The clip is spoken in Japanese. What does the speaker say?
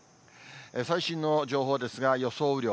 最新の情報ですが、予想雨量。